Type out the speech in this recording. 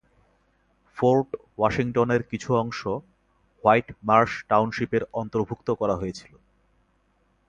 Fort ওয়াশিংটনের কিছু অংশ হোয়াইট মার্শ টাউনশিপের অন্তর্ভুক্ত করা হয়েছিল।